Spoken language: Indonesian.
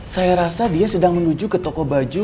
saya rasa dia sedang menuju ke toko baju